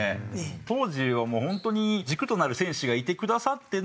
当時はもうホントに軸となる選手がいてくださっての。